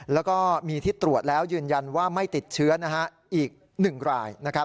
แล้วก็มีที่ตรวจแล้วยืนยันว่าไม่ติดเชื้ออีก๑ราย